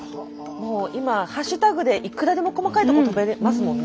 今ハッシュタグでいくらでも細かいとこ飛べれますもんね。